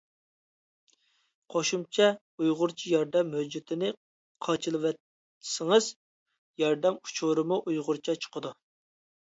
قوشۇمچە: ئۇيغۇرچە ياردەم ھۆججىتىنى قاچىلىۋەتسىڭىز ياردەم ئۇچۇرىمۇ ئۇيغۇرچە چىقىدۇ.